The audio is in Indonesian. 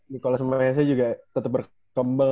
nicholas mahesa juga tetep berkembang